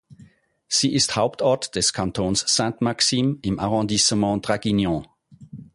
Sie ist Hauptort des Kantons Sainte-Maxime im Arrondissement Draguignan.